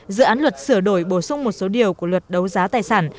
dự án luật sửa đổi bổ sung một số điều của luật đấu giá tài sản